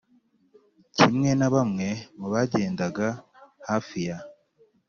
kimwe na bamwe mu bagendaga hafi ya